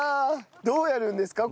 どうやるんですか？